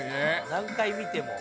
何回見ても。